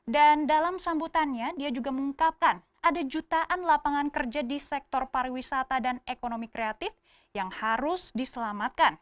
dan dalam sambutannya dia juga mengungkapkan ada jutaan lapangan kerja di sektor pariwisata dan ekonomi kreatif yang harus diselamatkan